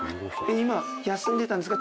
今休んでたんですか？